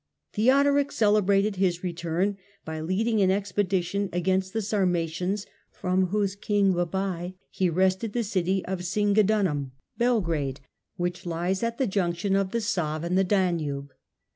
Theodoric celebrated his return oy leading an expedition against the Sarmatians, from whose king, Babai, he wrested the city of Singidunum 18 THE DAWN OF MEDIAEVAL EUROPE (Belgrade) , which lies at the junction of the Save and the Danube.